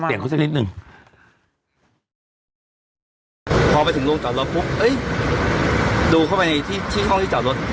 พอไปถึงโรงจอดรถปุ๊บดูเข้าไปที่ห้องที่จอดรถ